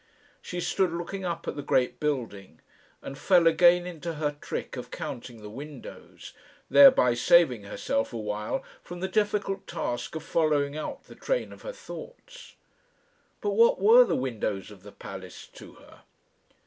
She stood looking up at the great building, and fell again into her trick of counting the windows, thereby saving herself a while from the difficult task of following out the train of her thoughts. But what were the windows of the palace to her?